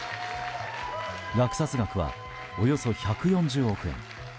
落札額は、およそ１４０億円。